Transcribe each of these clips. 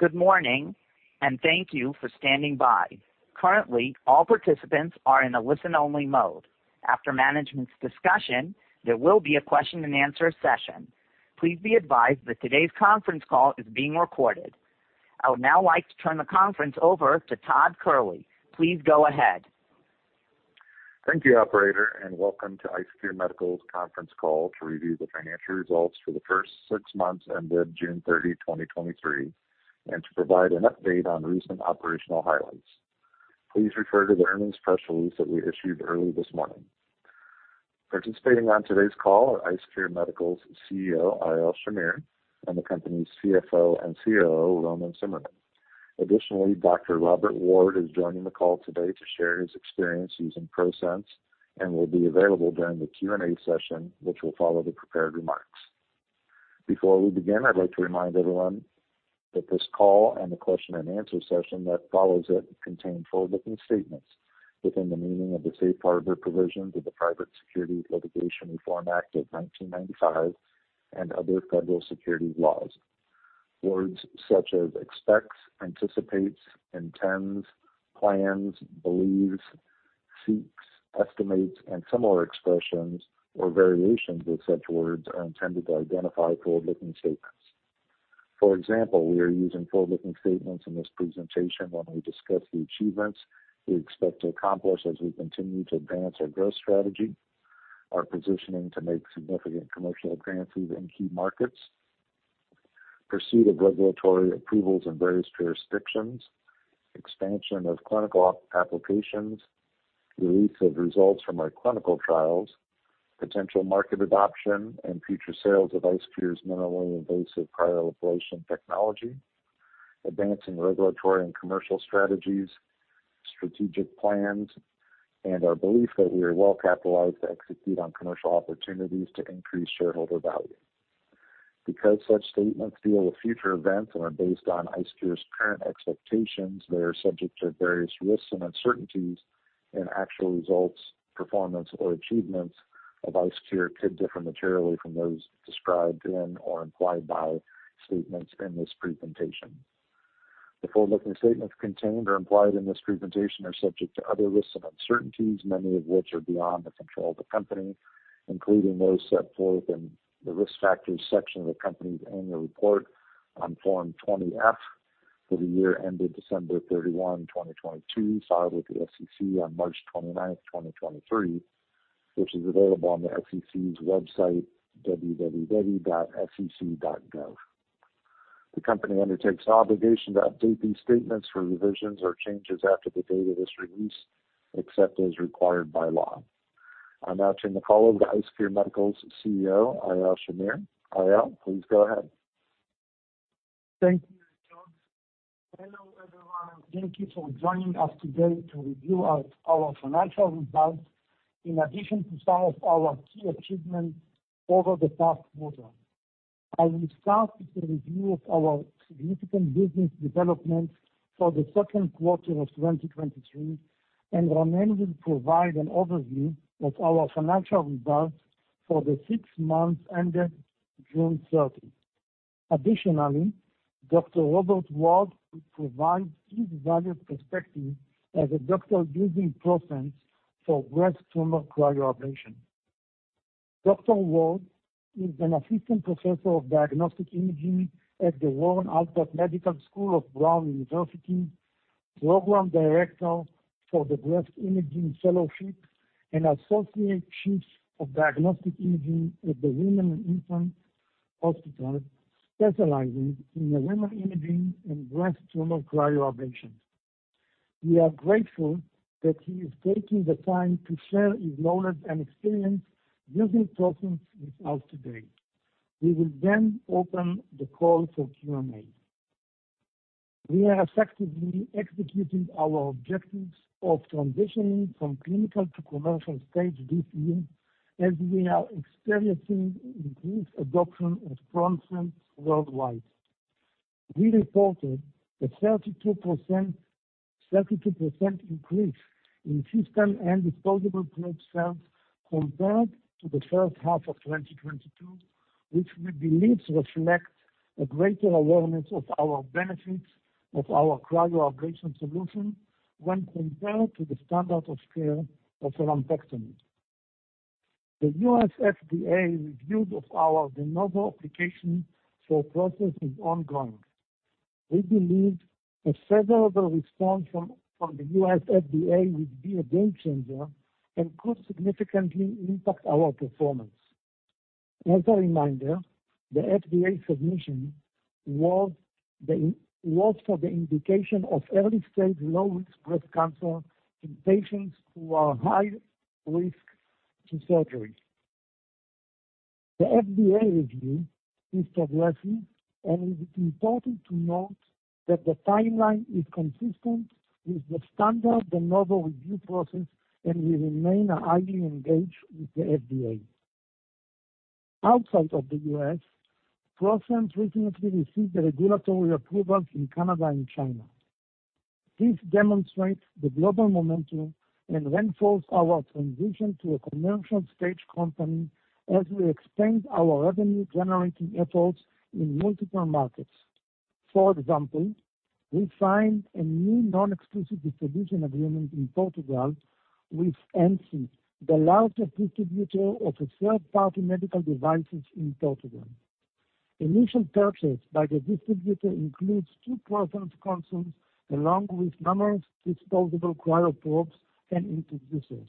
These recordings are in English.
Good morning, and thank you for standing by. Currently, all participants are in a listen-only mode. After management's discussion, there will be a question-and-answer session. Please be advised that today's conference call is being recorded. I would now like to turn the conference over to Todd Kehrli. Please go ahead. Thank you, operator, and welcome to IceCure Medical's conference call to review the financial results for the first six months ended June 30, 2023, and to provide an update on recent operational highlights. Please refer to the earnings press release that we issued early this morning. Participating on today's call are IceCure Medical's CEO, Eyal Shamir, and the company's CFO and COO, Ronen Tsimerman. Additionally, Dr. Robert Ward is joining the call today to share his experience using ProSense and will be available during the Q&A session, which will follow the prepared remarks. Before we begin, I'd like to remind everyone that this call and the question-and-answer session that follows it contain forward-looking statements within the meaning of the safe harbor provisions of the Private Securities Litigation Reform Act of 1995 and other federal securities laws. Words such as expects, anticipates, intends, plans, believes, seeks, estimates, and similar expressions or variations of such words are intended to identify forward-looking statements. For example, we are using forward-looking statements in this presentation when we discuss the achievements we expect to accomplish as we continue to advance our growth strategy, our positioning to make significant commercial advances in key markets, pursuit of regulatory approvals in various jurisdictions, expansion of clinical applications, release of results from our clinical trials, potential market adoption, and future sales of IceCure's minimally invasive cryoablation technology, advancing regulatory and commercial strategies, strategic plans, and our belief that we are well-capitalized to execute on commercial opportunities to increase shareholder value. Because such statements deal with future events and are based on IceCure's current expectations, they are subject to various risks and uncertainties, actual results, performance, or achievements of IceCure could differ materially from those described in, or implied by, statements in this presentation. The forward-looking statements contained or implied in this presentation are subject to other risks and uncertainties, many of which are beyond the control of the company, including those set forth in the Risk Factors section of the company's annual report on Form 20-F for the year ended December 31, 2022, filed with the SEC on March 29, 2023, which is available on the SEC's website, www.sec.gov. The company undertakes no obligation to update these statements for revisions or changes after the date of this release, except as required by law. I'll now turn the call over to IceCure Medical's CEO, Eyal Shamir. Eyal, please go ahead. Thank you, Todd. Hello, everyone, and thank you for joining us today to review our financial results, in addition to some of our key achievements over the past quarter. I will start with a review of our significant business developments for the second quarter of 2023, Ronen Tsimerman will provide an overview of our financial results for the six months ended June 30. Additionally, Dr. Robert Ward will provide his valued perspective as a doctor using ProSense for breast tumor cryoablation. Dr. Robert Ward is an assistant professor of diagnostic imaging at The Warren Alpert Medical School of Brown University, program director for the Breast Imaging Fellowship, and associate chief of diagnostic imaging at the Women and Infants Hospital, specializing in women imaging and breast tumor cryoablation. We are grateful that he is taking the time to share his knowledge and experience using ProSense with us today. We will then open the call for Q&A. We are effectively executing our objectives of transitioning from clinical to commercial stage this year as we are experiencing increased adoption of ProSense worldwide. We reported a 32%, 32% increase in system and disposable probe sales compared to the first half of 2022, which we believe reflects a greater awareness of our benefits of our cryoablation solution when compared to the standard of care of a lumpectomy. The US FDA review of our de novo application for ProSense is ongoing. We believe a favorable response from the US FDA would be a game changer and could significantly impact our performance. As a reminder, the FDA submission was for the indication of early-stage, low-risk breast cancer in patients who are high risk to surgery. The FDA review is progressing, and it is important to note that the timeline is consistent with the standard de novo review process, and we remain highly engaged with the FDA. Outside of the U.S., ProSense recently received the regulatory approvals in Canada and China.... This demonstrates the global momentum and reinforces our transition to a commercial stage company as we expand our revenue-generating efforts in multiple markets. For example, we signed a new non-exclusive distribution agreement in Portugal with NLC the largest distributor of third-party medical devices in Portugal. Initial purchase by the distributor includes two ProSense consoles, along with numerous disposable cryo probes and introducers,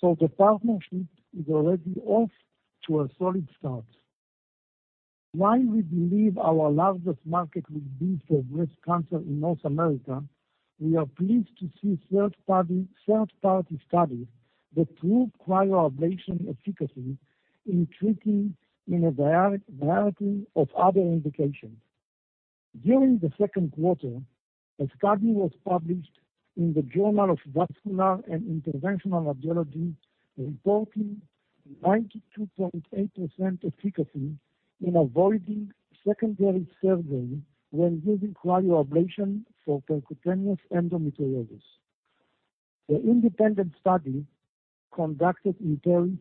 so the partnership is already off to a solid start. While we believe our largest market will be for breast cancer in North America, we are pleased to see third-party, third-party studies that prove cryoablation efficacy in treating in a variety of other indications. During the second quarter, a study was published in the Journal of Vascular and Interventional Radiology, reporting 92.8% efficacy in avoiding secondary surgery when using cryoablation for percutaneous endometriosis. The independent study conducted in Paris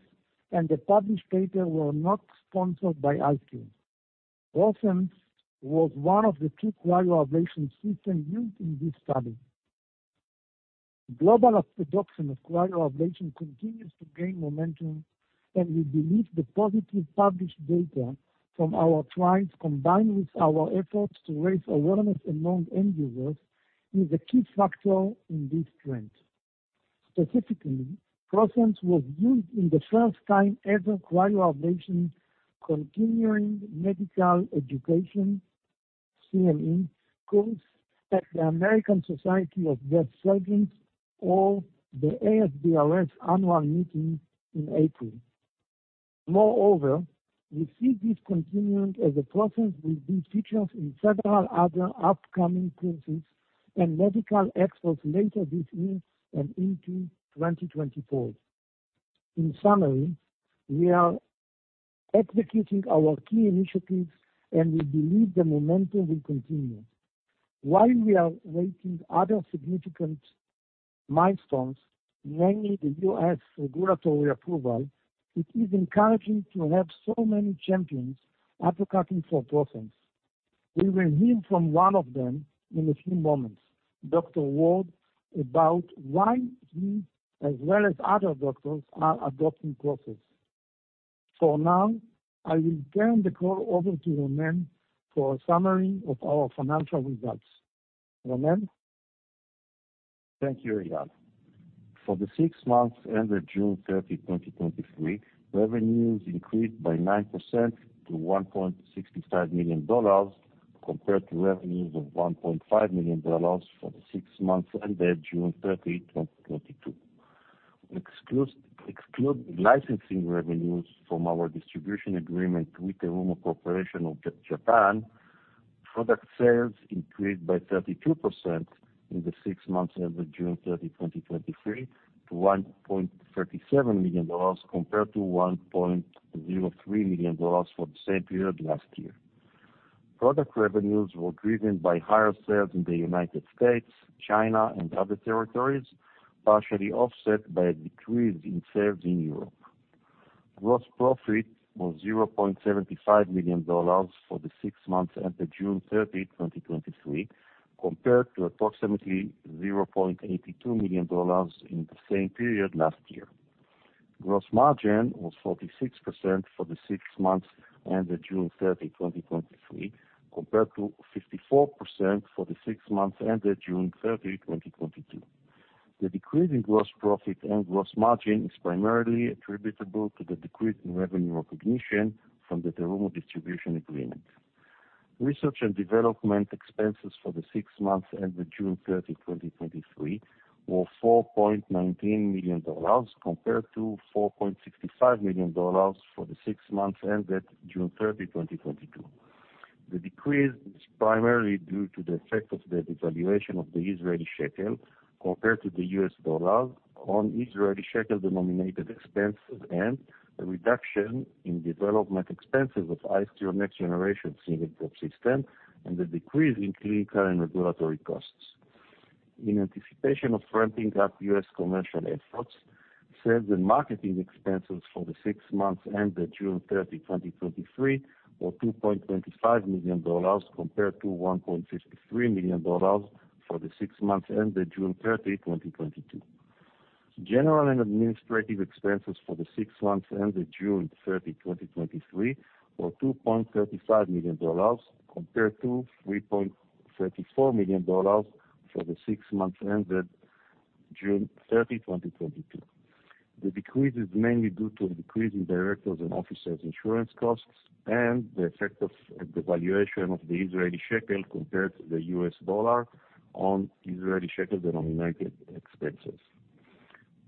and the published paper were not sponsored by IceCure. ProSense was one of the two cryoablation systems used in this study. Global adoption of cryoablation continues to gain momentum, we believe the positive published data from our trials, combined with our efforts to raise awareness among end users, is a key factor in this trend. Specifically, ProSense was used in the first-time-ever cryoablation Continuing Medical Education, CME, course at the American Society of Breast Surgeons, or the ASBRS annual meeting in April. Moreover, we see this continuing as ProSense will be featured in several other upcoming conferences and medical expos later this year and into 2024. In summary, we are executing our key initiatives, and we believe the momentum will continue. While we are waiting other significant milestones, namely the U.S. regulatory approval, it is encouraging to have so many champions advocating for ProSense. We will hear from one of them in a few moments, Dr. Ward, about why he, as well as other doctors, are adopting ProSense. For now, I will turn the call over to Ronen for a summary of our financial results. Ronen? Thank you, Eyal. For the 6 months ended June 30, 2023, revenues increased by 9% to $1.65 million compared to revenues of $1.5 million for the six months ended June 30, 2022. Excluding licensing revenues from our distribution agreement with the Terumo Corporation of Japan, product sales increased by 32% in the six months ended June 30, 2023, to $1.37 million, compared to $1.03 million for the same period last year. Product revenues were driven by higher sales in the United States, China, and other territories, partially offset by a decrease in sales in Europe. Gross profit was $0.75 million for the six months ended June 30, 2023, compared to approximately $0.82 million in the same period last year. Gross margin was 46% for the six months ended June 30, 2023, compared to 54% for the six months ended June 30, 2022. The decrease in gross profit and gross margin is primarily attributable to the decrease in revenue recognition from the Terumo distribution agreement. Research and development expenses for the six months ended June 30, 2023, were $4.19 million, compared to $4.65 million for the six months ended June 30, 2022. The decrease is primarily due to the effect of the devaluation of the Israeli shekel compared to the U.S. dollar on Israeli shekel-denominated expenses, and a reduction in development expenses of IceCure next-generation single drop system, and the decrease in clinical and regulatory costs. In anticipation of ramping up US commercial efforts, sales and marketing expenses for the six months ended June 30, 2023, were $2.25 million, compared to $1.53 million for the six months ended June 30, 2022. General and administrative expenses for the six months ended June 30, 2023, were $2.35 million, compared to $3.34 million for the six months ended June 30, 2022. The decrease is mainly due to a decrease in directors and officers insurance costs and the effect of the valuation of the Israeli shekel compared to the U.S. dollar on Israeli shekel-denominated expenses.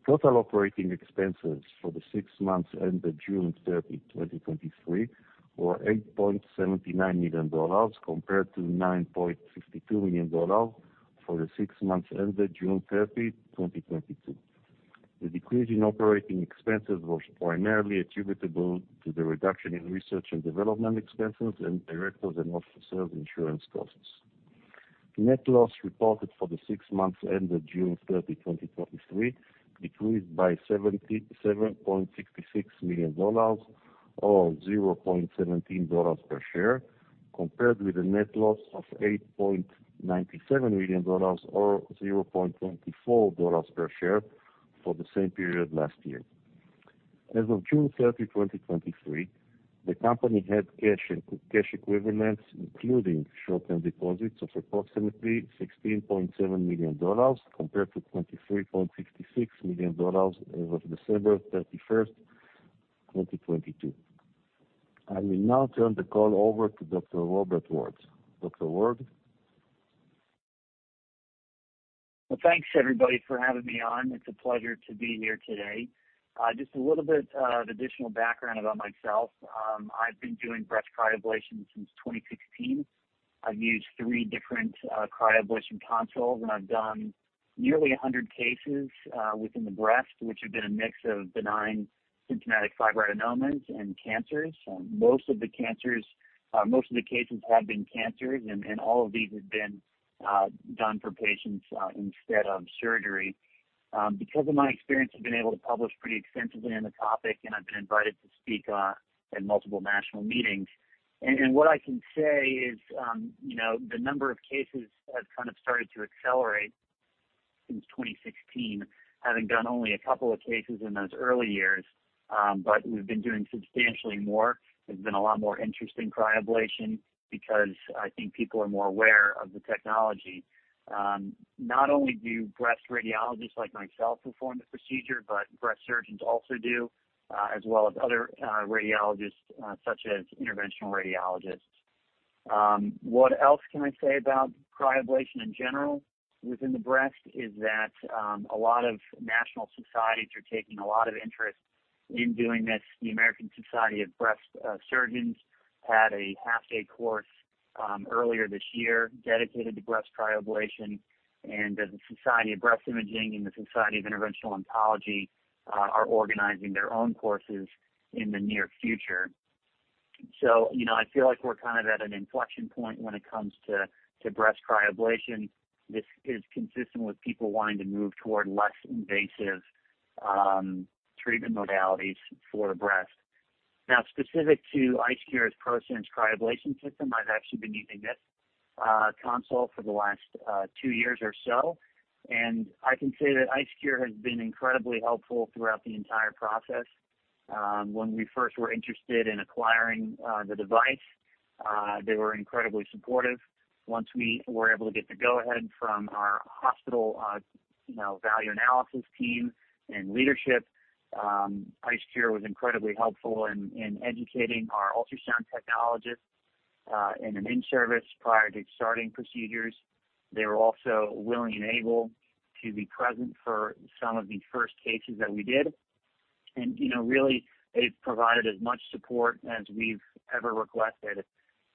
Total operating expenses for the six months ended June 30, 2023, were $8.79 million, compared to $9.52 million for the six months ended June 30, 2022. The decrease in operating expenses was primarily attributable to the reduction in research and development expenses and directors and officers insurance costs. Net loss reported for the six months ended June 30, 2023, decreased by $77.66 million or $0.17 per share, compared with a net loss of $8.97 million or $0.24 per share for the same period last year. As of June 30, 2023, the company had cash and cash equivalents, including short-term deposits of approximately $16.7 million, compared to $23.66 million as of December 31, 2022. I will now turn the call over to Dr. Robert Ward. Dr. Ward? Well, thanks, everybody, for having me on. It's a pleasure to be here today. Just a little bit of additional background about myself. I've been doing breast cryoablation since 2016. I've used three different cryoablation consoles, and I've done nearly 100 cases within the breast, which have been a mix of benign symptomatic fibroadenomas and cancers. Most of the cancers, most of the cases have been cancers, and all of these have been done for patients instead of surgery. Because of my experience, I've been able to publish pretty extensively on the topic, and I've been invited to speak at multiple national meetings. What I can say is, you know, the number of cases has kind of started to accelerate since 2016, having done only a couple of cases in those early years, but we've been doing substantially more. There's been a lot more interest in cryoablation because I think people are more aware of the technology. Not only do breast radiologists like myself perform the procedure, but breast surgeons also do, as well as other radiologists, such as interventional radiologists. What else can I say about cryoablation in general within the breast, is that a lot of national societies are taking a lot of interest in doing this. The American Society of Breast Surgeons had a half-day course earlier this year dedicated to breast cryoablation, and the Society of Breast Imaging and the Society of Interventional Oncology are organizing their own courses in the near future. You know, I feel like we're kind of at an inflection point when it comes to, to breast cryoablation. This is consistent with people wanting to move toward less invasive treatment modalities for the breast. Specific to IceCure's ProSense cryoablation system, I've actually been using this console for the last two years or so, and I can say that IceCure has been incredibly helpful throughout the entire process. When we first were interested in acquiring the device, they were incredibly supportive. Once we were able to get the go-ahead from our hospital, you know, value analysis team and leadership, IceCure was incredibly helpful in, in educating our ultrasound technologists, in an in-service prior to starting procedures. They were also willing and able to be present for some of the first cases that we did. You know, really, they've provided as much support as we've ever requested.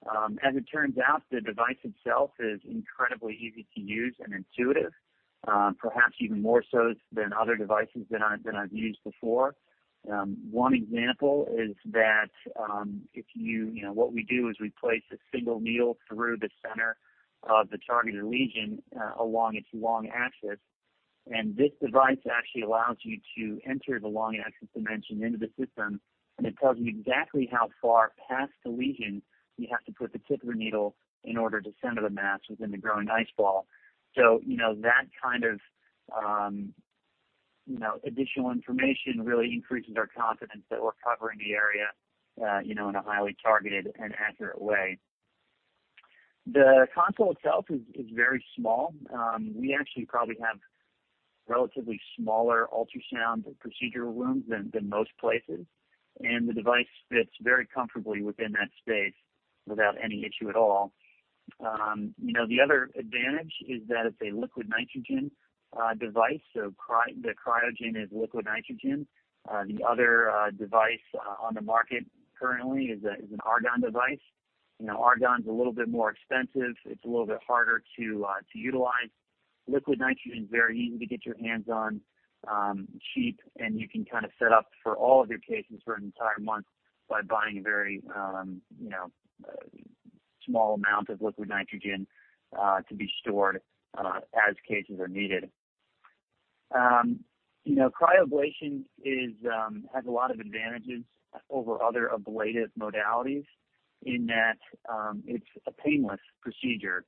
As it turns out, the device itself is incredibly easy to use and intuitive, perhaps even more so than other devices that I've, that I've used before. One example is that, you know, what we do is we place a single needle through the center of the targeted lesion, along its long axis. This device actually allows you to enter the long axis dimension into the system, and it tells you exactly how far past the lesion you have to put the tip of the needle in order to center the mass within the growing ice ball. You know, that kind of, you know, additional information really increases our confidence that we're covering the area, you know, in a highly targeted and accurate way. The console itself is, is very small. We actually probably have relatively smaller ultrasound procedure rooms than, than most places, and the device fits very comfortably within that space without any issue at all. You know, the other advantage is that it's a liquid nitrogen device, so the cryogen is liquid nitrogen. The other device on the market currently is a, is an argon device. You know, argon is a little bit more expensive. It's a little bit harder to utilize. Liquid nitrogen is very easy to get your hands on, cheap, and you can kind of set up for all of your patients for an entire month by buying a very, you know, small amount of liquid nitrogen to be stored as cases are needed. You know, cryoablation is has a lot of advantages over other ablative modalities in that it's a painless procedure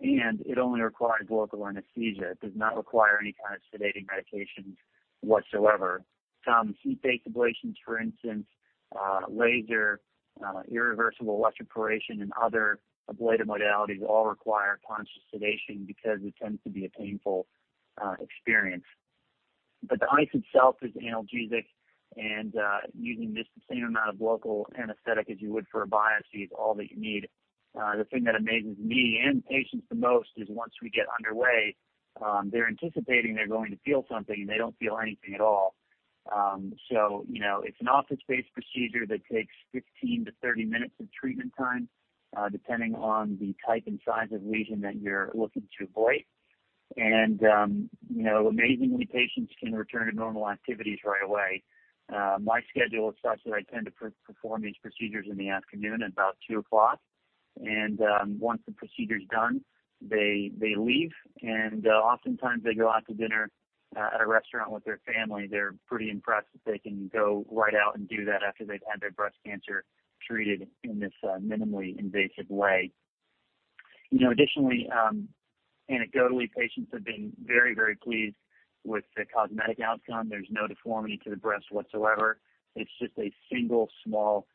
and it only requires local anesthesia. It does not require any kind of sedating medications whatsoever. Heat-based ablations, for instance, laser, irreversible electroporation, and other ablative modalities all require conscious sedation because it tends to be a painful experience. The ice itself is analgesic, and using just the same amount of local anesthetic as you would for a biopsy is all that you need. The thing that amazes me and patients the most is once we get underway, they're anticipating they're going to feel something, and they don't feel anything at all. So, you know, it's an office-based procedure that takes 15-30 minutes of treatment time, depending on the type and size of lesion that you're looking to ablate. And, you know, amazingly, patients can return to normal activities right away. My schedule is such that I tend to perform these procedures in the afternoon at about 2:00 P.M., and once the procedure is done, they, they leave, and oftentimes they go out to dinner, at a restaurant with their family. They're pretty impressed that they can go right out and do that after they've had their breast cancer treated in this, minimally invasive way. You know, additionally, anecdotally, patients have been very, very pleased with the cosmetic outcome. There's no deformity to the breast whatsoever. It's just a single small,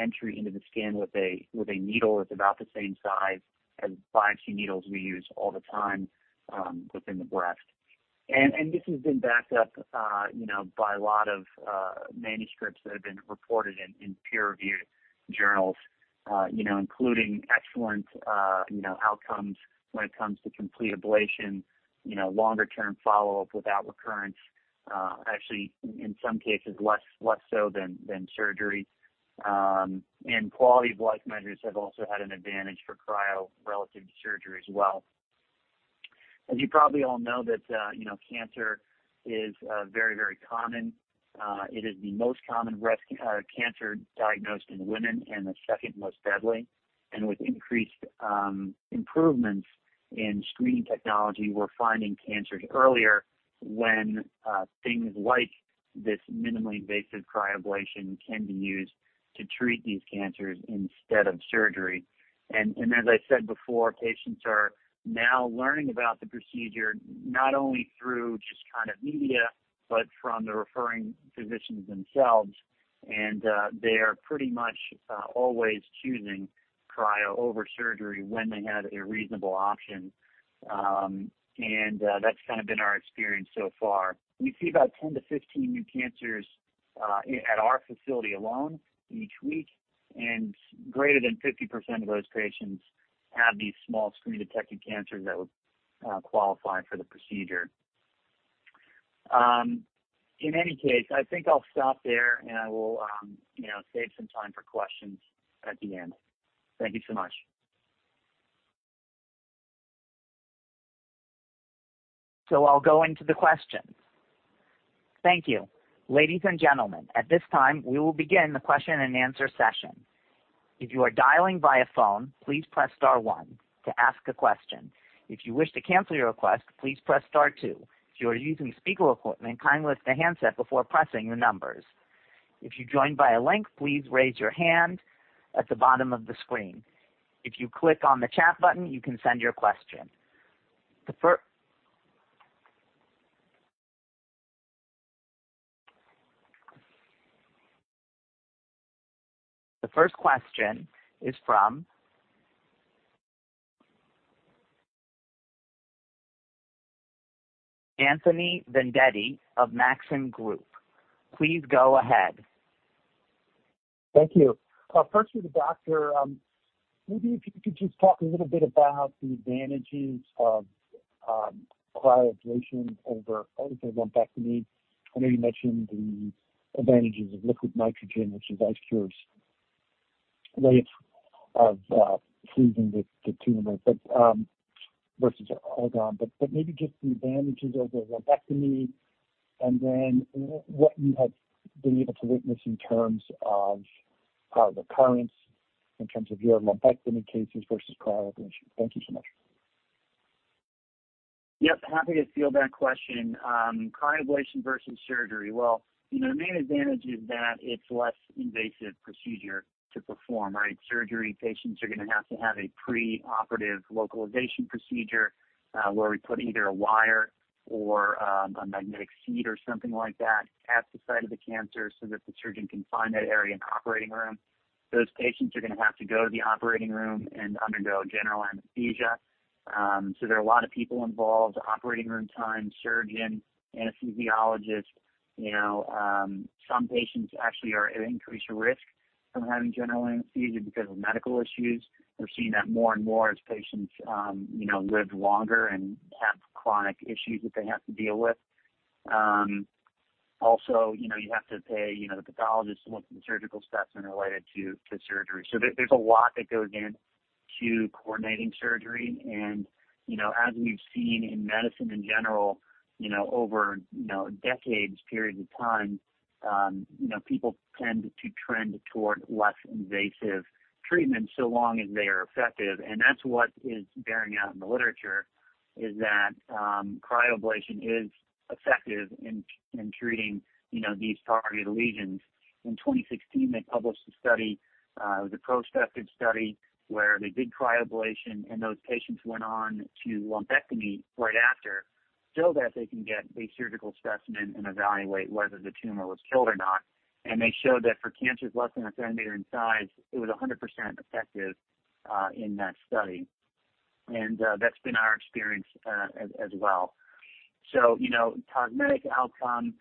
entry into the skin with a, with a needle that's about the same size as biopsy needles we use all the time, within the breast. This has been backed up, you know, by a lot of, manuscripts that have been reported in, in peer-reviewed journals, you know, including excellent, you know, outcomes when it comes to complete ablation, you know, longer term follow-up without recurrence, actually, in some cases, less so than surgery. Quality of life measures have also had an advantage for cryo relative to surgery as well. As you probably all know that, you know, cancer is very, very common. It is the most common breast cancer diagnosed in women and the second most deadly. With increased improvements in screening technology, we're finding cancers earlier when things like this minimally invasive cryoablation can be used to treat these cancers instead of surgery. As I said before, patients are now learning about the procedure not only through just kind of media, but from the referring physicians themselves, and they are pretty much always choosing cryo over surgery when they have a reasonable option. That's kind of been our experience so far. We see about 10-15 new cancers at our facility alone each week, and greater than 50% of those patients have these small screen-detected cancers that would qualify for the procedure. In any case, I think I'll stop there, and I will, you know, save some time for questions at the end. Thank you so much. I'll go into the questions. Thank you. Ladies and gentlemen, at this time, we will begin the question and answer session. If you are dialing via phone, please press star one to ask a question. If you wish to cancel your request, please press star two. If you are using speaker equipment, kindly lift the handset before pressing the numbers. If you joined by a link, please raise your hand at the bottom of the screen. If you click on the chat button, you can send your question. The first question is from Anthony Vendetti of Maxim Group. Please go ahead. Thank you. First to the doctor, maybe if you could just talk a little bit about the advantages of cryoablation over other things, lumpectomy. I know you mentioned the advantages of liquid nitrogen, which is IceCure's way of freezing the tumor, but versus argon. Maybe just the advantages over lumpectomy, and then what you have been able to witness in terms of recurrence in terms of your lumpectomy cases versus cryoablation. Thank you so much. Yep, happy to field that question. Cryoablation versus surgery. Well, you know, the main advantage is that it's less invasive procedure to perform, right? Surgery, patients are going to have to have a preoperative localization procedure, where we put either a wire or a magnetic seed or something like that at the site of the cancer so that the surgeon can find that area in the operating room. Those patients are going to have to go to the operating room and undergo general anesthesia, so there are a lot of people involved, operating room time, surgeon, anesthesiologist. You know, some patients actually are at increased risk from having general anesthesia because of medical issues. We're seeing that more and more as patients, you know, live longer and have chronic issues that they have to deal with. Also, you know, you have to pay, you know, the pathologist to look at the surgical specimen related to, to surgery. There, there's a lot that goes into coordinating surgery. You know, as we've seen in medicine in general, you know, over, you know, decades, periods of time, you know, people tend to trend toward less invasive treatments so long as they are effective. That's what is bearing out in the literature, is that, cryoablation is effective in, in treating, you know, these targeted lesions. In 2016, they published a study, it was a prospective study, where they did cryoablation, and those patients went on to lumpectomy right after, so that they can get the surgical specimen and evaluate whether the tumor was killed or not. They showed that for cancers less than a centimeter in size, it was 100% effective in that study. That's been our experience as, as well. You know, cosmetic outcome,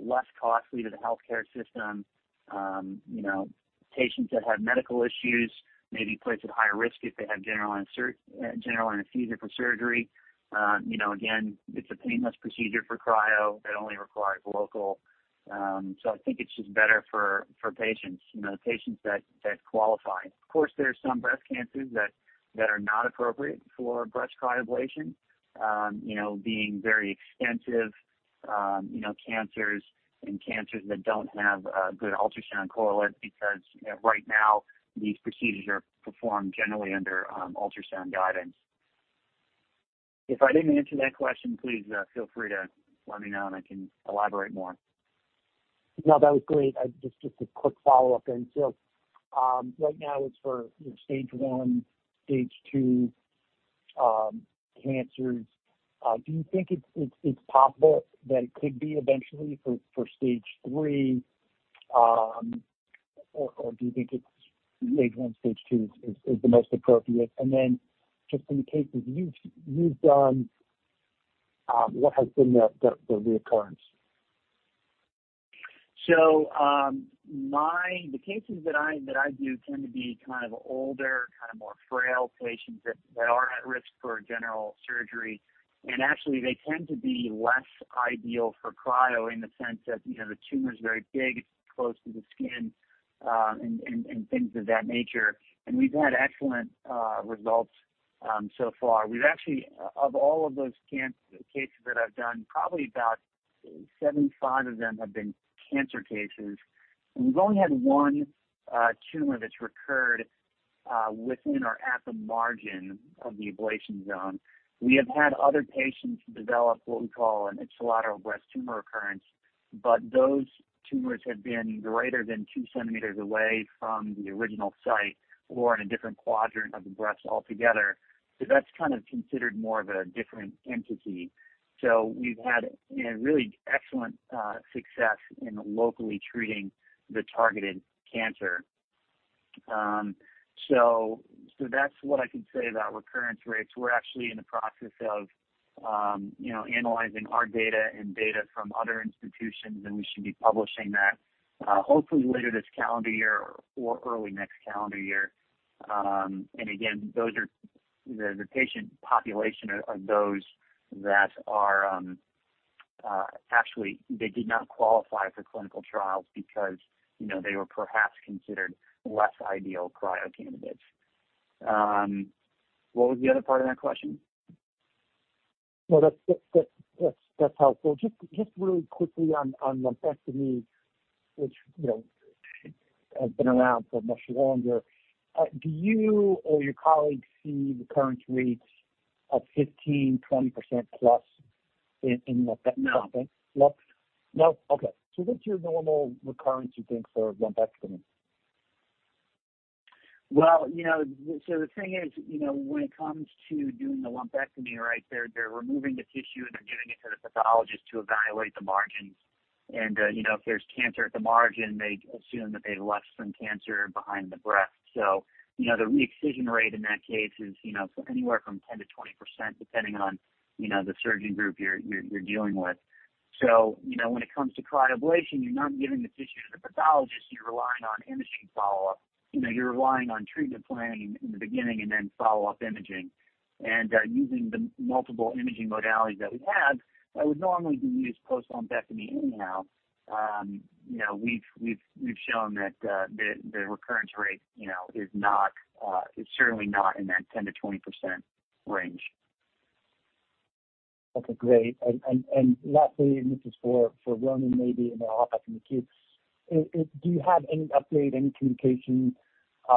less costly to the healthcare system, you know, patients that have medical issues may be placed at higher risk if they have general and general anesthesia for surgery. You know, again, it's a painless procedure for cryo, it only requires local. So I think it's just better for patients, you know, patients that qualify. Of course, there are some breast cancers that are not appropriate for breast cryoablation. You know, being very extensive, you know, cancers and cancers that don't have good ultrasound correlates, because, you know, right now, these procedures are performed generally under ultrasound guidance. If I didn't answer that question, please, feel free to let me know, and I can elaborate more. No, that was great. I just, just a quick follow-up then. Right now it's for stage one, stage two cancers. Do you think it's, it's, it's possible that it could be eventually for, for stage three, or, or do you think it's stage one, stage two is, is the most appropriate? Just in the cases you've, you've done, what has been the, the, the recurrence? The cases that I, that I do, tend to be kind of older, kind of more frail patients, that, that are at risk for general surgery. Actually, they tend to be less ideal for cryo in the sense that, you know, the tumor is very big, it's close to the skin, and, and, things of that nature. We've had excellent results so far. We've actually, of all of those cancer cases that I've done, probably about 75 of them have been cancer cases, and we've only had one tumor that's recurred within or at the margin of the ablation zone. We have had other patients develop what we call an axillary breast tumor recurrence, but those tumors have been greater than 2 cm away from the original site or in a different quadrant of the breast altogether. That's kind of considered more of a different entity. We've had a really excellent success in locally treating the targeted cancer. That's what I can say about recurrence rates. We're actually in the process of, you know, analyzing our data and data from other institutions, and we should be publishing that hopefully later this calendar year or early next calendar year. And again, those are the, the patient population are those that are, actually they did not qualify for clinical trials because, you know, they were perhaps considered less ideal cryo candidates. What was the other part of that question? Well, that's, that's, that's, that's helpful. Just, just really quickly on, on lumpectomy, which, you know, has been around for much longer. Do you or your colleagues see recurrence rates of 15%, 20%+ in, in lumpectomy? No. No? No. Okay. What's your normal recurrence, you think, for lumpectomy? Well, you know, so the thing is, you know, when it comes to doing the lumpectomy, right, they're, they're removing the tissue, and they're giving it to the pathologist to evaluate the margins. You know, if there's cancer at the margin, they assume that they've left some cancer behind the breast. You know, the reexcision rate in that case is, you know, anywhere from 10%-20%, depending on, you know, the surgeon group you're, you're, dealing with. You know, when it comes to cryoablation, you're not giving the tissue to the pathologist, you're relying on imaging follow-up. You know, you're relying on treatment planning in the beginning and then follow-up imaging. Using the multiple imaging modalities that we have, that would normally be used post-lumpectomy anyhow, you know, we've, we've, we've shown that the, the recurrence rate, you know, is not, is certainly not in that 10%-20% range. Okay, great. Lastly, this is for Roni, maybe, I'll ask him to queue. Do you have any update, any communication,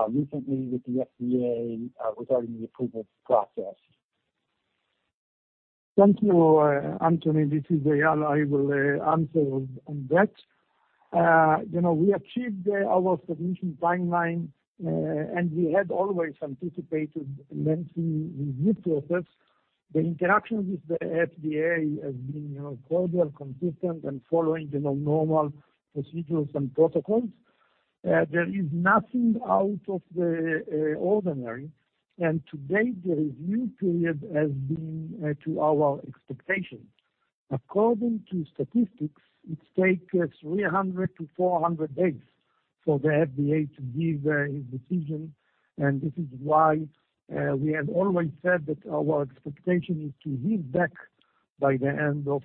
recently with the FDA, regarding the approval process? Thank you, Anthony. This is Eyal. I will answer on that. You know, we achieved our submission timeline. We had always anticipated a lengthy review process. The interactions with the FDA have been, you know, cordial, consistent, and following the normal procedures and protocols. There is nothing out of the ordinary. To date, the review period has been to our expectations. According to statistics, it takes 300-400 days for the FDA to give a decision. This is why we have always said that our expectation is to hear back by the end of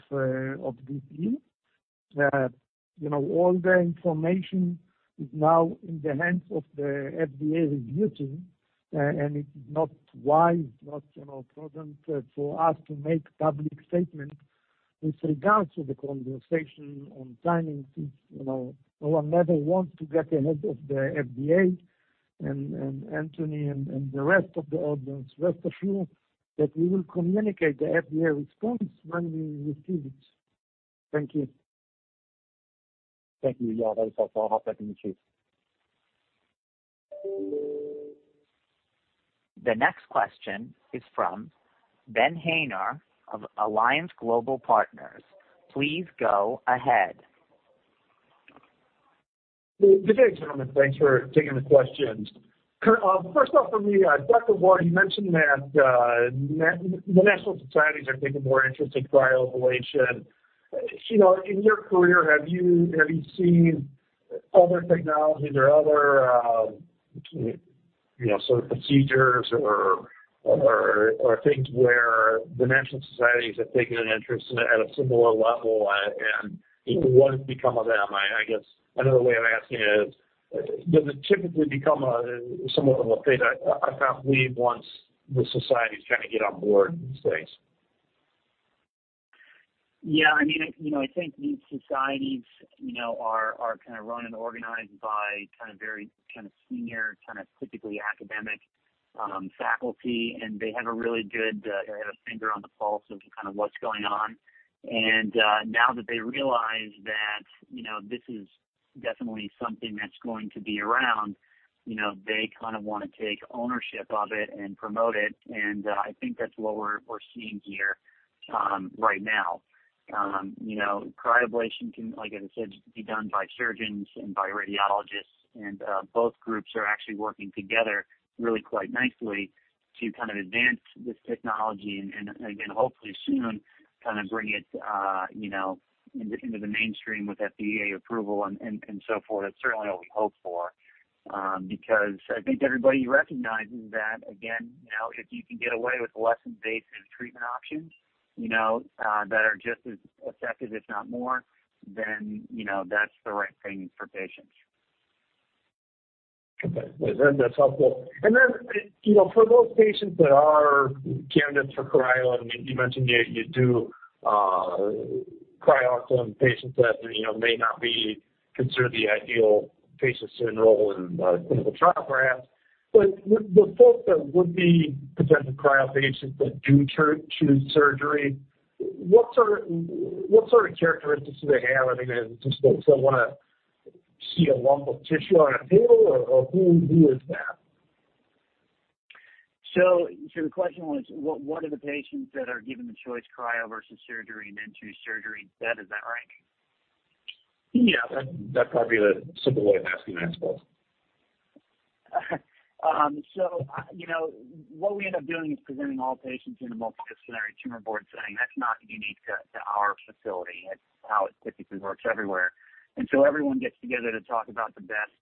this year. You know, all the information is now in the hands of the FDA review team. It is not wise, not, you know, prudent for us to make public statements with regards to the conversation on timing. You know, we will never want to get ahead of the FDA and, and Anthony, and, and the rest of the audience, rest of you, that we will communicate the FDA response when we receive it. Thank you. Thank you, Eyal. I'll pass it back to you. The next question is from Ben Haynor of Alliance Global Partners. Please go ahead. Good day, gentlemen. Thanks for taking the questions. First off for me, Dr. Ward, you mentioned that the national societies are taking more interest in cryoablation. You know, in your career, have you, have you seen other technologies or other, you know, sort of procedures or things where the national societies have taken an interest in it at a similar level, and what's become of them? I, I guess another way of asking is, does it typically become a somewhat of a thing, I, I can't believe once the societies kind of get on board these things? Yeah, I mean, you know, I think the societies, you know, are, are kind of run and organized by kind of very, kind of senior, kind of typically academic, faculty, and they have a really good, they have a finger on the pulse of kind of what's going on. Now that they realize that, you know, this is definitely something that's going to be around, you know, they kind of want to take ownership of it and promote it, I think that's what we're, we're seeing here, right now. You know, cryoablation can, like I said, be done by surgeons and by radiologists, and both groups are actually working together really quite nicely to kind of advance this technology, and again, hopefully soon, kind of bring it, you know, into, into the mainstream with FDA approval and so forth. That's certainly what we hope for, because I think everybody recognizes that, again, you know, if you can get away with less invasive treatment options, you know, that are just as effective if not more, then, you know, that's the right thing for patients. Okay. That's helpful. Then, you know, for those patients that are candidates for cryo, I mean, you mentioned you, you do cryo on patients that, you know, may not be considered the ideal patients to enroll in clinical trial perhaps. The, the folks that would be potential cryo patients that do turn to surgery, what sort of, what sort of characteristics do they have? I mean, just don't want to see a lump of tissue on a table or, or who, who is that? The question was, what, what are the patients that are given the choice cryo versus surgery and then choose surgery instead, is that right? Yeah, that's probably the simple way of asking that, I suppose. You know, what we end up doing is presenting all patients in a multidisciplinary tumor board setting. That's not unique to our facility. It's how it typically works everywhere. So everyone gets together to talk about the best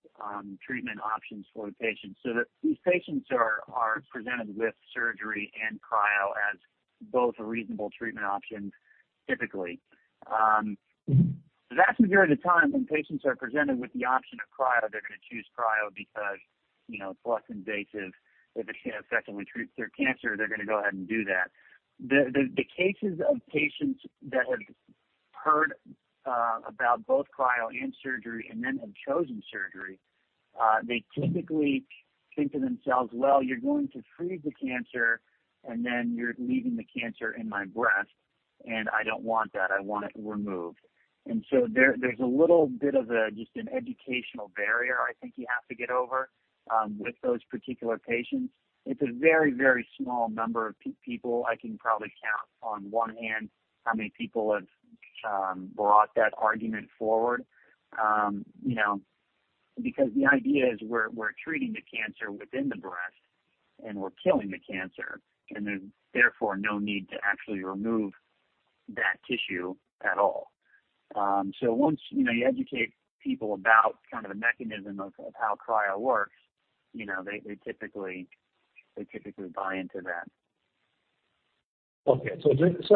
treatment options for the patient. These patients are presented with surgery and cryo as both reasonable treatment options, typically. The vast majority of the time when patients are presented with the option of cryo, they're going to choose cryo because, you know, it's less invasive. If it's going to effectively treat their cancer, they're going to go ahead and do that. The cases of patients that have heard about both cryo and surgery and then have chosen surgery, they typically think to themselves, "Well, you're going to freeze the cancer, and then you're leaving the cancer in my breast, and I don't want that. I want it removed." There, there's a little bit of a, just an educational barrier I think you have to get over with those particular patients. It's a very, very small number of people. I can probably count on one hand, how many people have brought that argument forward. You know, because the idea is we're treating the cancer within the breast, and we're killing the cancer, and there's therefore no need to actually remove that tissue at all. Once, you know, you educate people about kind of the mechanism of, of how cryo works, you know, they, they typically, they typically buy into that. Okay, just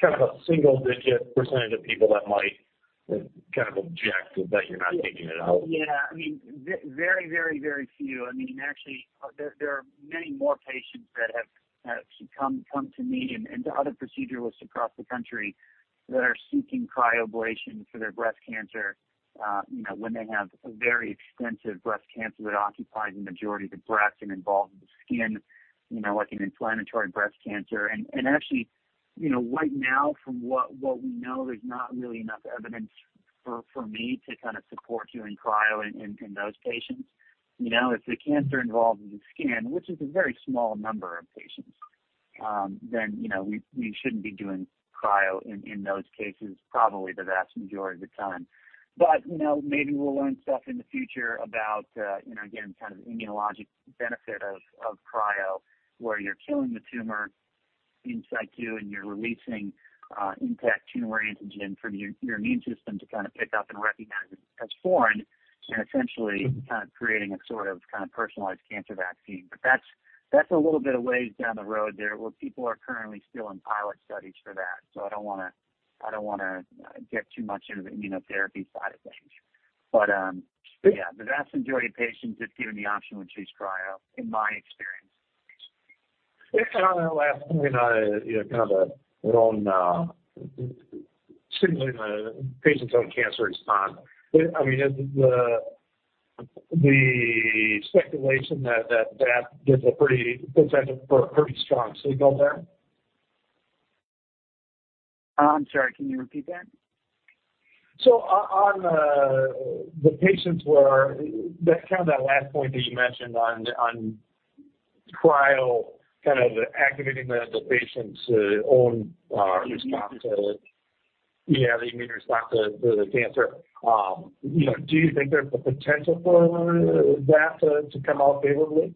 kind of a single-digit percent of people that might kind of object, that you're not taking it out. Yeah, I mean, very, very, very few. I mean, actually, there, there are many more patients that have, have come, come to me and, and to other proceduralists across the country that are seeking cryoablation for their breast cancer, you know, when they have a very extensive breast cancer that occupies the majority of the breast and involves the skin, you know, like an inflammatory breast cancer. Actually, you know, right now, from what, what we know, there's not really enough evidence for, for me to kind of support doing cryo in, in those patients. You know, if the cancer involves the skin, which is a very small number of patients, then, you know, we, we shouldn't be doing cryo in, in those cases, probably the vast majority of the time. You know, maybe we'll learn stuff in the future about, you know, again, kind of immunologic benefit of, of cryo, where you're killing the tumor inside you, and you're releasing, intact tumor antigen from your, your immune system to kind of pick up and recognize it as foreign, and essentially. Mm-hmm... kind of creating a sort of, kind of personalized cancer vaccine. That's a little bit of ways down the road there, where people are currently still in pilot studies for that. I don't want to get too much into the immunotherapy side of things. Yeah, the vast majority of patients, if given the option, would choose cryo, in my experience. On that last point, you know, kind of on signaling the patient's own cancer response, I mean, is the speculation that gives a potential for a pretty strong signal there? I'm sorry, can you repeat that? The patients where, that kind of that last point that you mentioned on, trial, kind of, activating the, the patient's, own, response to it. Yeah, the immune response to, to the cancer. You know, do you think there's a potential for that to, to come out favorably?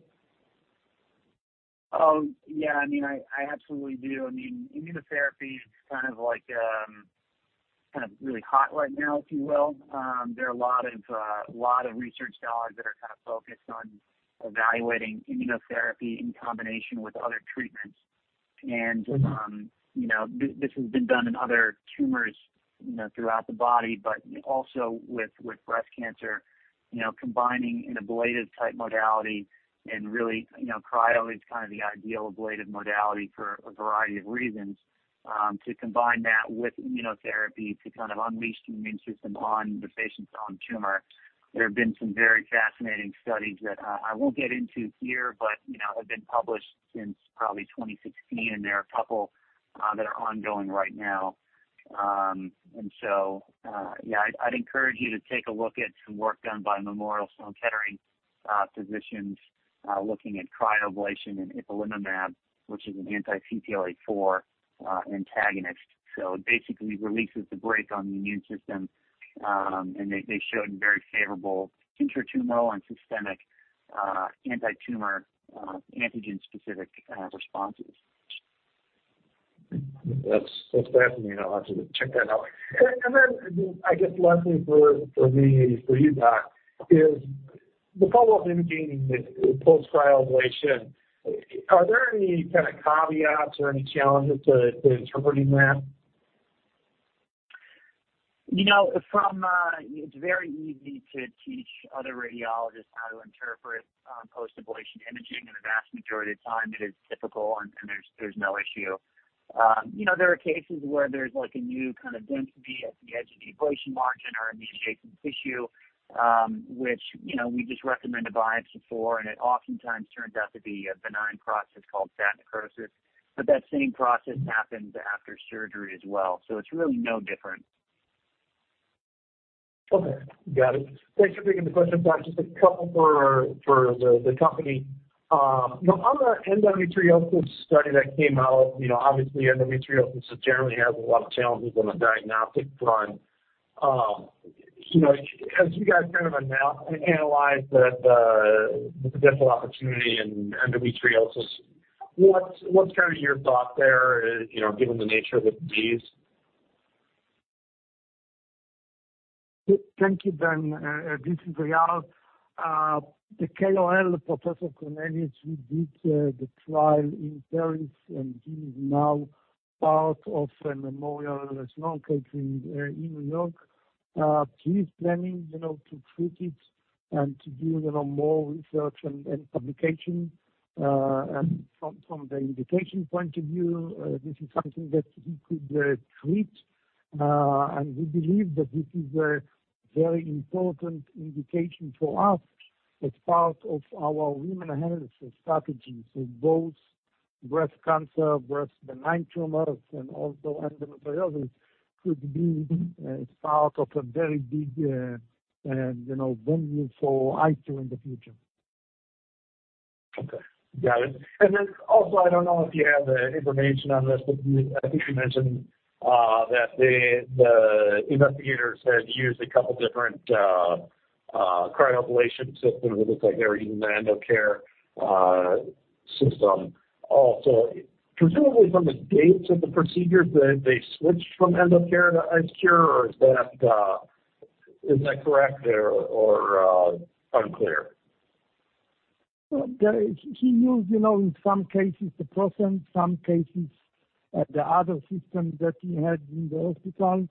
Yeah, I mean, I, I absolutely do. I mean, immunotherapy is kind of like, kind of really hot right now, if you will. There are a lot of, lot of research dollars that are kind of focused on evaluating immunotherapy in combination with other treatments. You know, th- this has been done in other tumors, you know, throughout the body, but also with, with breast cancer. You know, combining an ablative type modality and really, you know, cryo is kind of the ideal ablative modality for a variety of reasons. To combine that with immunotherapy to kind of unleash the immune system on the patient's own tumor. There have been some very fascinating studies that, I won't get into here, but, you know, have been published since probably 2016, and there are a couple that are ongoing right now. Yeah, I'd, I'd encourage you to take a look at some work done by Memorial Sloan Kettering physicians looking at cryoablation and ipilimumab, which is an anti-CTLA-4 antagonist. It basically releases the brake on the immune system, and they, they showed very favorable intratumoral and systemic antitumor antigen-specific responses. That's, that's fascinating. I'll have to check that out. Then, I guess, lastly, for, for me, for you, Doc, is the follow-up imaging with post-cryoablation, are there any kind of caveats or any challenges to, to interpreting that? You know, from a... It's very easy to teach other radiologists how to interpret, post-ablation imaging, and the vast majority of the time it is typical and, and there's, there's no issue. You know, there are cases where there's, like, a new kind of density at the edge of the ablation margin or in the adjacent tissue, which, you know, we just recommend a biopsy for, and it oftentimes turns out to be a benign process called fat necrosis. That same process happens after surgery as well, so it's really no different. Okay. Got it. Thanks for taking the question, Doc. Just a couple more for, for the, the company. you know, on the endometriosis study that came out, you know, obviously, endometriosis generally has a lot of challenges on the diagnostic front. you know, as you guys kind of analyze the, the, the potential opportunity in endometriosis, what's, what's kind of your thought there, you know, given the nature of the disease? Thank you, Ben. This is Eyal. The KOL, Professor Cornelis, who did the trial in Paris, and he is now part of a Memorial Sloan Kettering in New York. He's planning, you know, to treat it and to do, you know, more research and, and publication. From, from the indication point of view, this is something that he could treat. We believe that this is a very important indication for us as part of our women health strategy. Both breast cancer, breast benign tumors, and also endometriosis could be part of a very big, and, you know, volume for IceCure in the future. Okay. Got it. Then also, I don't know if you have the information on this, but you, I think you mentioned that the investigators had used a couple different cryoablation systems. It looks like they were using the Endocare system. Also, presumably from the dates of the procedures, they, they switched from Endocare to IceCure, or is that, is that correct or, or unclear? He, he used, you know, in some cases, the ProSense, some cases, the other system that he had in the hospital.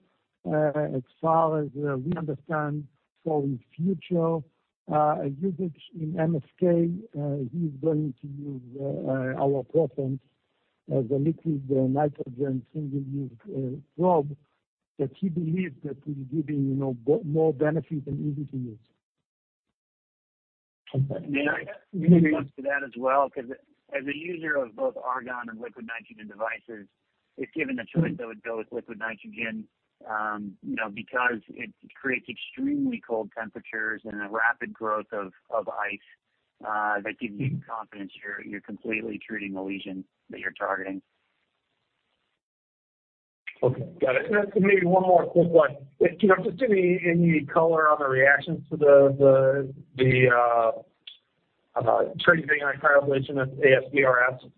As far as, we understand for his future, usage in MSK, he's going to use, our ProSense, the liquid nitrogen single-use, probe, that he believes that will be giving, you know, more benefit and easy to use. Okay. May I add to that as well, ‘cause as a user of both argon and liquid nitrogen devices, if given a choice, I would go with liquid nitrogen, you know, because it creates extremely cold temperatures and a rapid growth of, of ice, that gives you confidence you're, you're completely treating the lesion that you're targeting. Okay. Got it. Then maybe one more quick one. you know, just give me any color on the reactions to the training on cryoablation at ASBrS?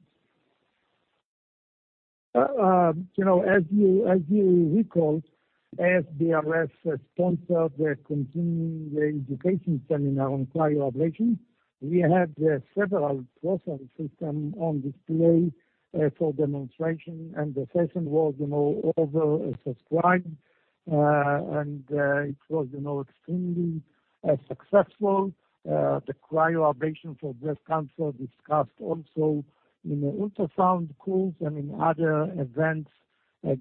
You know, as you, as you recall, ASBrS sponsored a continuing education seminar on cryoablation. We had several ProSense system on display for demonstration, and the session was, you know, oversubscribed, and it was, you know, extremely successful. The cryoablation for breast cancer discussed also in the ultrasound calls and in other events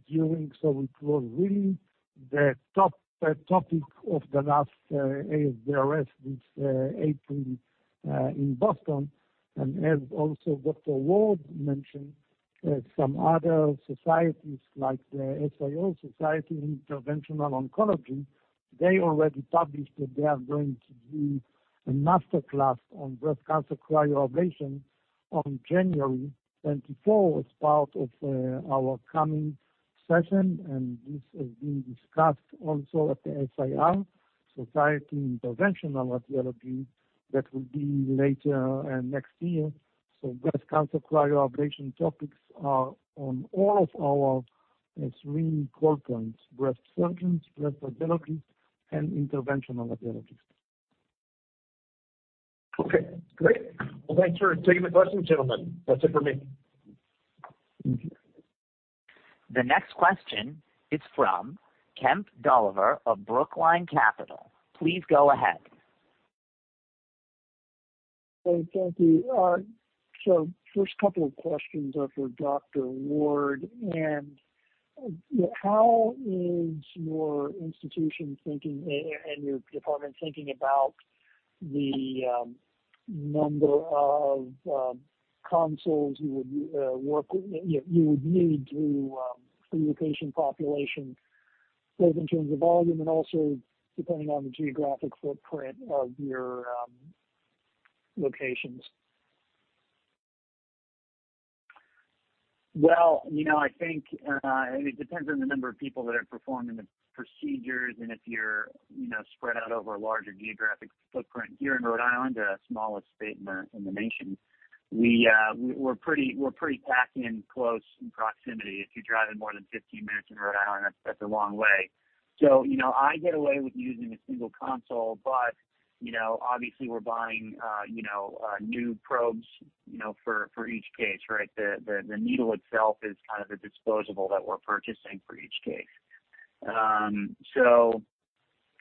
during, so it was really the top topic of the last ASBrS this April in Boston. As also Dr. Ward mentioned-... some other societies like the SIO, Society of Interventional Oncology, they already published that they are going to do a master class on breast cancer cryoablation on January 24 as part of our coming session. This is being discussed also at the SIR, Society of Interventional Radiology. That will be later next year. Breast cancer cryoablation topics are on all of our three core points: breast surgeons, breast radiologists, and interventional radiologists. Okay, great. Well, thanks for taking the question, gentlemen. That's it for me. The next question is from Kemp Dolliver of Brookline Capital. Please go ahead. Hey, thank you. So first couple of questions are for Dr. Ward. How is your institution thinking and, and your department thinking about the number of consoles you would work with you would need to for your patient population, both in terms of volume and also depending on the geographic footprint of your locations? You know, I think, it depends on the number of people that are performing the procedures, and if you're, you know, spread out over a larger geographic footprint. Here in Rhode Island, a smallest state in the nation, we're pretty packed in close in proximity. If you're driving more than 15 minutes in Rhode Island, that's a long way. You know, I get away with using a single console, but, you know, obviously we're buying, you know, new probes, you know, for each case, right? The needle itself is kind of a disposable that we're purchasing for each case.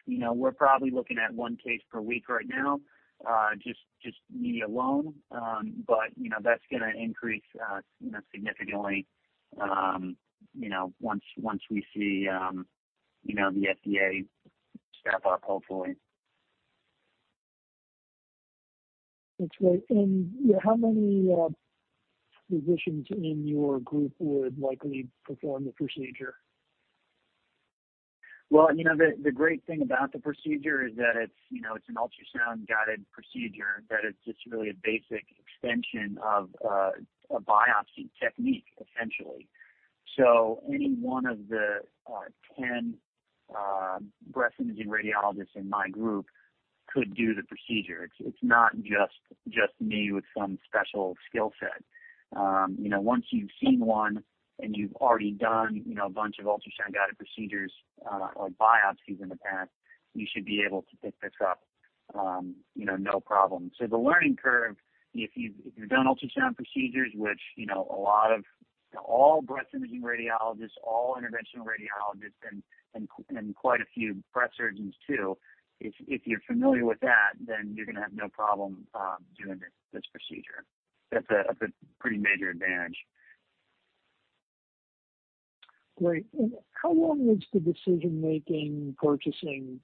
You know, we're probably looking at one case per week right now, just me alone. You know, that's gonna increase, you know, significantly, you know, once, once we see, you know, the FDA step up, hopefully. That's great. How many physicians in your group would likely perform the procedure? Well, you know, the, the great thing about the procedure is that it's, you know, it's an ultrasound-guided procedure, that it's just really a basic extension of a biopsy technique, essentially. Any one of the 10 breast imaging radiologists in my group could do the procedure. It's, it's not just, just me with some special skill set. You know, once you've seen one and you've already done, you know, a bunch of ultrasound guided procedures or biopsies in the past, you should be able to pick this up, you know, no problem. The learning curve, if you've, if you've done ultrasound procedures, which, you know, all breast imaging radiologists, all interventional radiologists, and, and, and quite a few breast surgeons, too, if, if you're familiar with that, then you're going to have no problem doing this, this procedure. That's a, that's a pretty major advantage. Great. How long is the decision-making purchasing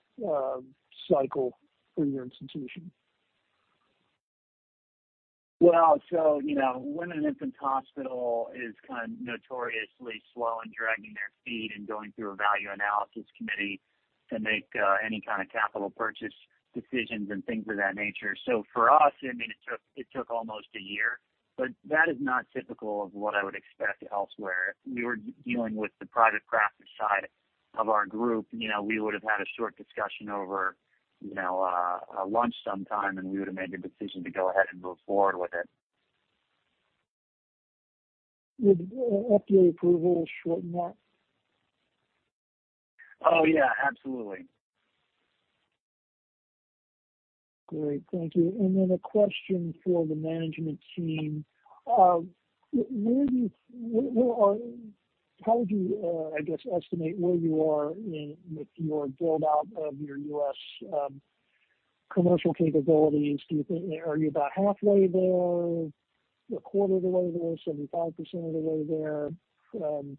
cycle for your institution? Well, you know, Women and Infants Hospital is kind of notoriously slow in dragging their feet and going through a value analysis committee to make any kind of capital purchase decisions and things of that nature. For us, I mean, it took, it took almost a year. That is not typical of what I would expect elsewhere. If we were dealing with the private practice side of our group, you know, we would have had a short discussion over, you know, a lunch sometime. We would have made the decision to go ahead and move forward with it. Would FDA approval shorten that? Oh, yeah, absolutely. Great. Thank you. A question for the management team. Where are, how would you, I guess, estimate where you are in with your build-out of your US commercial capabilities? Do you think, are you about halfway there, a quarter of the way there, 75% of the way there?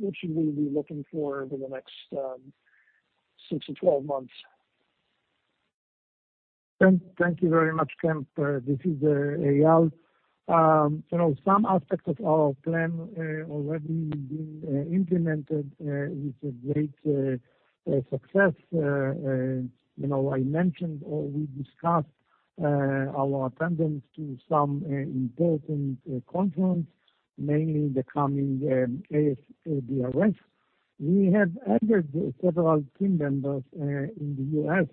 What should we be looking for over the next 6-12 months? Thank, thank you very much, Kemp. This is Eyal. You know, some aspects of our plan already being implemented with a great success. You know, I mentioned or we discussed our attendance to some important conference, mainly the coming ASBRS. We have added several team members in the U.S.,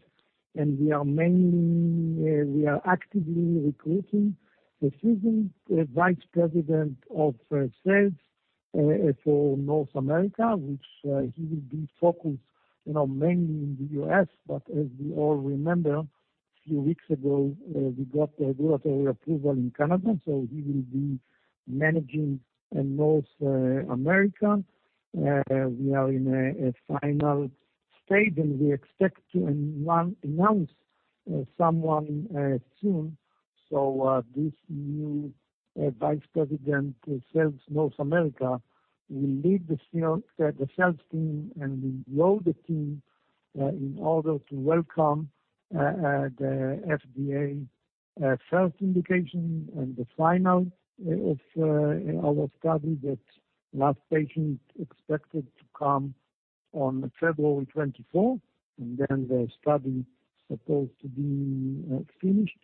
and we are mainly, we are actively recruiting a seasoned Vice President of Sales for North America, which he will be focused, you know, mainly in the U.S. As we all remember, a few weeks ago, we got the regulatory approval in Canada, so he will be managing in North America. We are in a final stage, and we expect to announce someone soon. This new Vice President, Sales, North America, will lead the sales, the sales team and build the team, in order to welcome the FDA, first indication and the final of our study, that last patient expected to come on February 24, and then the study supposed to be finished.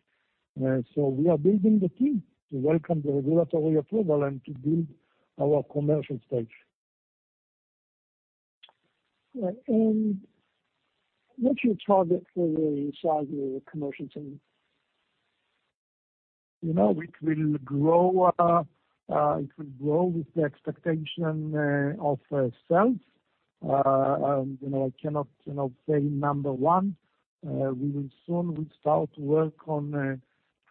We are building the team to welcome the regulatory approval and to build our commercial stage. What's your target for the size of your commercial team? You know, it will grow, it will grow with the expectation, of, sales. You know, I cannot, you know, say number one. We will soon will start to work on,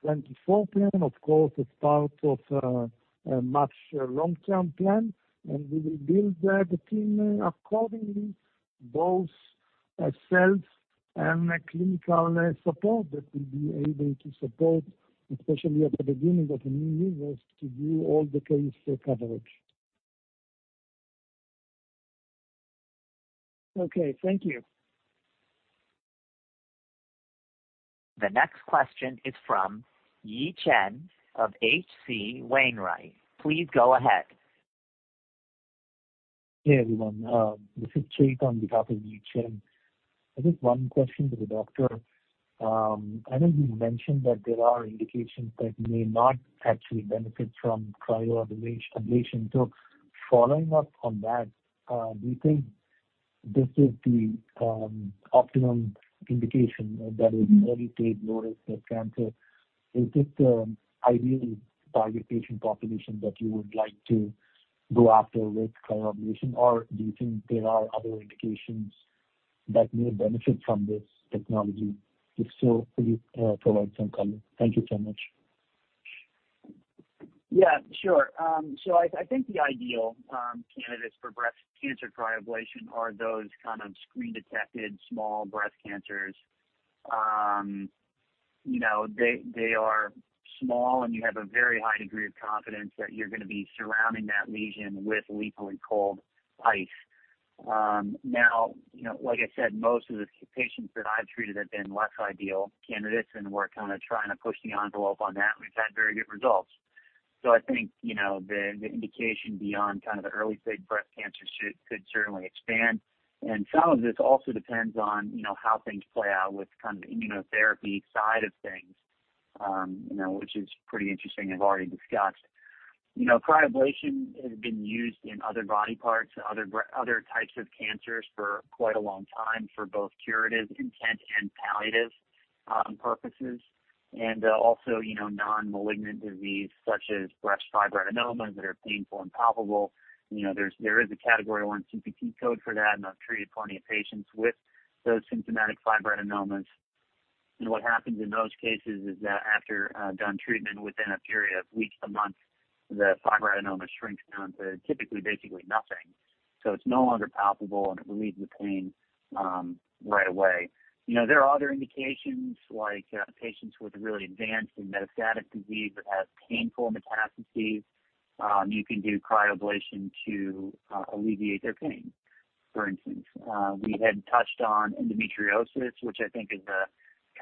2024 plan, of course, as part of, a much long-term plan, and we will build the, the team accordingly, both as sales and clinical support, that will be able to support, especially at the beginning of the new universe, to do all the case coverage. Okay, thank you. The next question is from Yi Chen of H.C. Wainwright. Please go ahead. Hey, everyone. This is [Chet] on behalf of Yi Chen. I just one question to the doctor. I know you mentioned that there are indications that may not actually benefit from cryoablation. Following up on that, do you think this is the optimum indication that is early-stage breast cancer? Is this the ideal target patient population that you would like to go after with cryoablation, or do you think there are other indications that may benefit from this technology? If so, could you provide some color? Thank you so much. Sure. I, I think the ideal candidates for breast cancer cryoablation are those kind of screen-detected, small breast cancers. You know, they, they are small, and you have a very high degree of confidence that you're going to be surrounding that lesion with lethally cold ice. Now, you know, like I said, most of the patients that I've treated have been less ideal candidates, and we're kind of trying to push the envelope on that, and we've had very good results. I think, you know, the, the indication beyond kind of the early-stage breast cancer should could certainly expand. Some of this also depends on, you know, how things play out with kind of the immunotherapy side of things, you know, which is pretty interesting, I've already discussed. You know, cryoablation has been used in other body parts and other types of cancers for quite a long time, for both curative intent and palliative purposes, and also, you know, non-malignant disease such as breast fibroadenoma that are painful and palpable. You know, there's, there is a Category I CPT code for that, and I've treated plenty of patients with those symptomatic fibroadenomas. What happens in those cases is that after done treatment within a period of weeks to months, the fibroadenoma shrinks down to typically basically nothing. It's no longer palpable, and it relieves the pain right away. You know, there are other indications, like patients with really advanced and metastatic disease that have painful metastases, you can do cryoablation to alleviate their pain. For instance, we had touched on endometriosis, which I think is a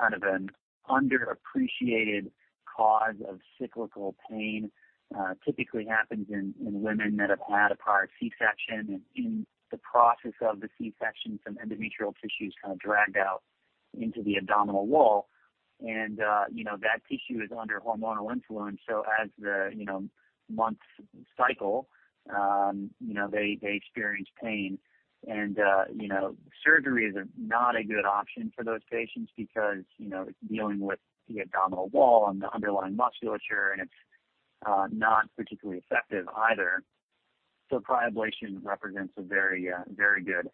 kind of an underappreciated cause of cyclical pain. Typically happens in, in women that have had a prior C-section, and in the process of the C-section, some endometrial tissues kind of dragged out into the abdominal wall. You know, that tissue is under hormonal influence, so as the, you know, months cycle, you know, they experience pain. You know, surgery is not a good option for those patients because, you know, it's dealing with the abdominal wall and the underlying musculature, and it's not particularly effective either. Cryoablation represents a very, very good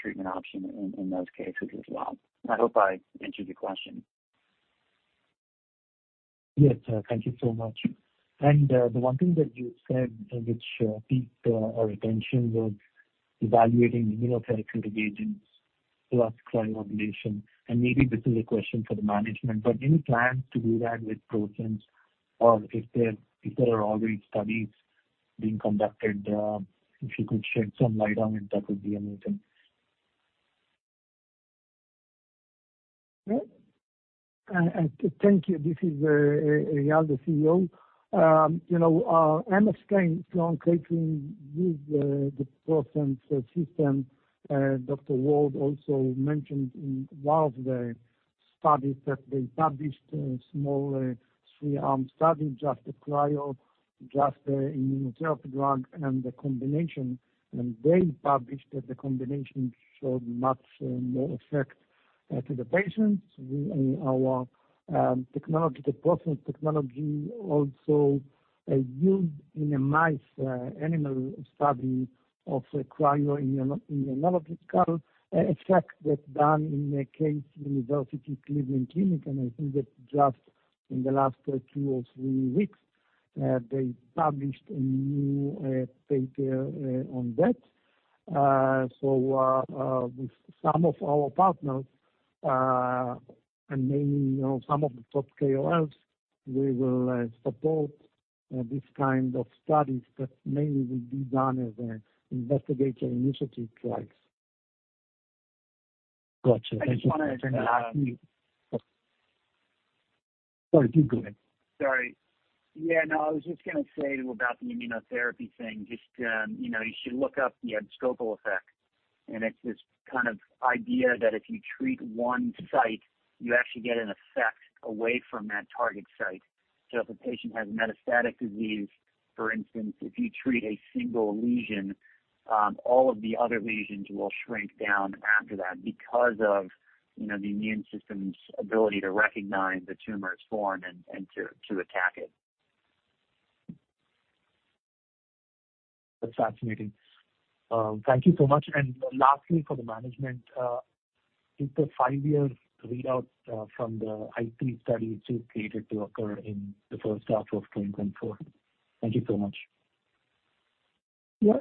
treatment option in, in those cases as well. I hope I answered your question. Yes, sir. Thank you so much. The one thing that you said, which piqued our attention, was evaluating immunotherapeutic agents plus cryoablation, and maybe this is a question for the management, but any plans to do that with ProSense, or if there, if there are already studies being conducted, if you could shed some light on it, that would be amazing. Thank you this is Eyal. [inaudible] Dr. Ward also mentioned in the last two or three weeks [inaudible] maybe, you know, some of the top KOLs, we will support this kind of studies, but mainly will be done as an investigator initiative like. Got you. I just want to- Sorry, do go ahead. Sorry. Yeah, no, I was just gonna say about the immunotherapy thing, just, you know, you should look up the abscopal effect, and it's this kind of idea that if you treat one site, you actually get an effect away from that target site. If a patient has metastatic disease, for instance, if you treat a single lesion, all of the other lesions will shrink down after that because of, you know, the immune system's ability to recognize the tumor is formed and, and to, to attack it. That's fascinating. Thank you so much. Lastly, for the management, is the five-year readout from the ICE3 study still created to occur in the first half of 2024? Thank you so much. Yeah.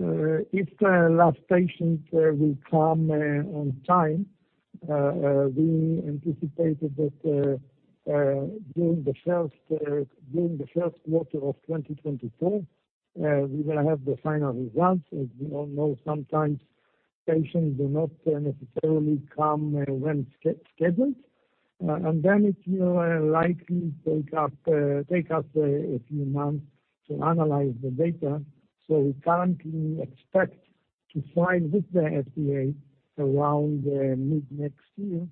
If the last patient will come on time, we anticipated that during the first quarter of 2024, we will have the final results. As you all know, sometimes patients do not necessarily come when sch-scheduled, and then it will likely take up take us a few months to analyze the data. We currently expect to file with the FDA around mid-next year,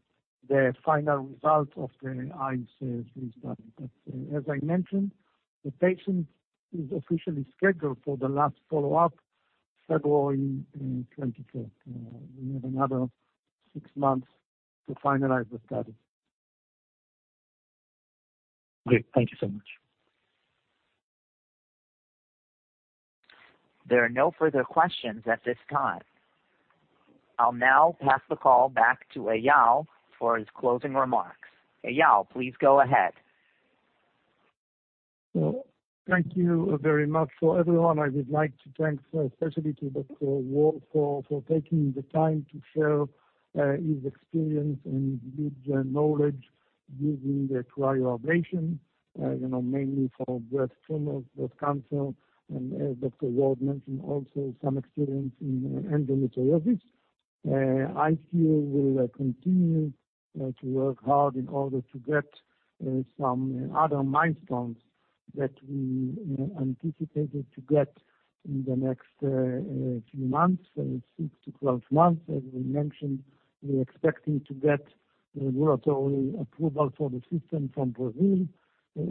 the final result of the ICE3 study. As I mentioned, the patient is officially scheduled for the last follow-up, February 24th. We have another six months to finalize the study. Great. Thank you so much. There are no further questions at this time. I'll now pass the call back to Eyal for his closing remarks. Eyal, please go ahead. Thank you very much for everyone. I would like to thank, especially to Dr. Ward, for taking the time to share his experience and his good knowledge using the cryoablation, you know, mainly for breast tumors, breast cancer, and as Dr. Ward mentioned, also some experience in endometriosis. IceCure will continue to work hard in order to get some other milestones that we anticipated to get in the next few months, six to 12 months. As we mentioned, we're expecting to get regulatory approval for the system from Brazil.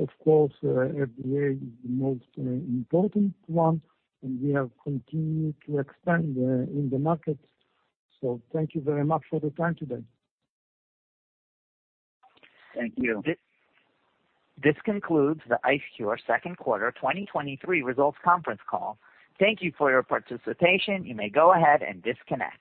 Of course, FDA is the most important one, and we have continued to expand in the markets. Thank you very much for the time today. Thank you. This, this concludes the IceCure second quarter 2023 results conference call. Thank you for your participation. You may go ahead and disconnect.